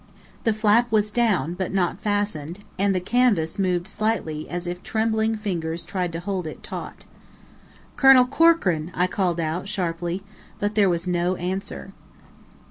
The flap was down, but not fastened, and the canvas moved slightly as if trembling fingers tried to hold it taut. "Colonel Corkran!" I called out, sharply. But there was no answer.